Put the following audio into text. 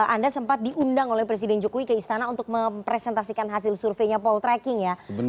anda sempat diundang oleh presiden jokowi ke istana untuk mempresentasikan hasil surveinya poltreking ya